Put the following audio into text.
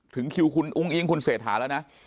ถึงคิวคุณอุ้งอิงคุณเศรษฐาแล้วนะ